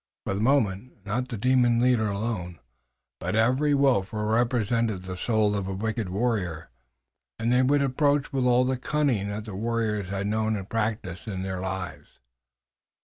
For the moment, not the demon leader alone, but every wolf represented the soul of a wicked warrior, and they would approach with all the cunning that the warriors had known and practiced in their lives.